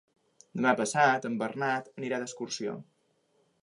Demà passat en Bernat anirà d'excursió.